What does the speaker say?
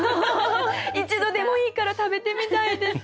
一度でもいいから食べてみたいです！